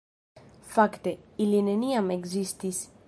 Fakte, ili neniam ekzistis.